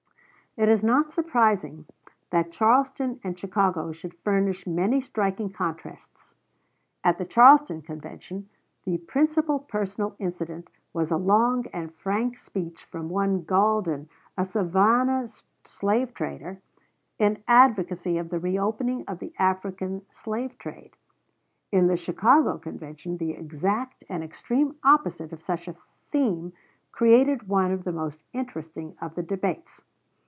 It is not surprising that Charleston and Chicago should furnish many striking contrasts. At the Charleston Convention, the principal personal incident was a long and frank speech from one Gaulden, a Savannah slave trader, in advocacy of the reopening of the African slave trade. In the Chicago Convention, the exact and extreme opposite of such a theme created one of the most interesting of the debates.